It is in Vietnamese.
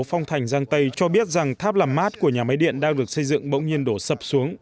phong thành giang tây cho biết rằng tháp làm mát của nhà máy điện đang được xây dựng bỗng nhiên đổ sập xuống